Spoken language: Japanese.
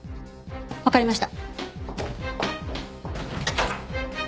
わかりました。